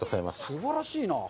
すばらしいなぁ。